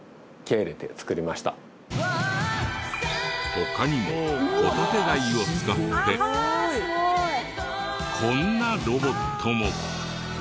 他にもホタテ貝を使ってこんなロボットも。